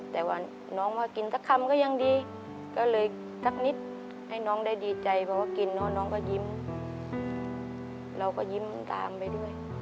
แต่ว่าน้องมากินสักคำก็ยังดีก็เลยสักนิดให้น้องได้ดีใจเพราะว่ากินเนอะน้องก็ยิ้มเราก็ยิ้มตามไปด้วย